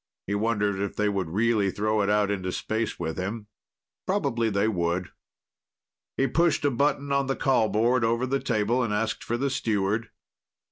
He wondered if they would really throw it out into space with him. Probably they would. He pushed a button on the call board over the table and asked for the steward.